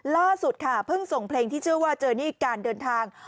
ล่าสุดค่ะเพิ่งส่งเพลงที่เชื่อว่าเจอนี่การเดินทาง